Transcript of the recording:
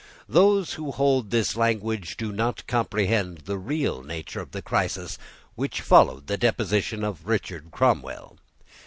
Those who hold this language do not comprehend the real nature of the crisis which followed the deposition of Richard Cromwell.